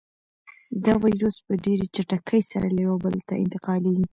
دا وېروس په ډېرې چټکۍ سره له یو بل ته انتقالېږي.